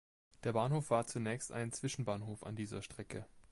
Der Bahnhof war zunächst ein Zwischenbahnhof an dieser Strecke.